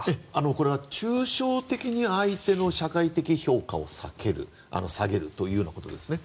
これは抽象的に相手の社会的評価を下げるというようなことですね。